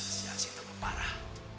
biar siasi teman parah